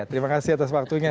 terima kasih atas waktunya